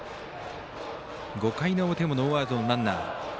５回の表もノーアウトのランナー。